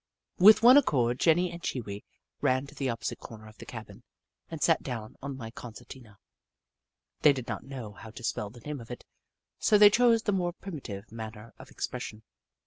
With one accord, Jenny and Chee Wee ran to the opposite corner of the cabin and sat down on my concertina. They did not know how to spell the name of it, so they chose the more primitive manner of expression.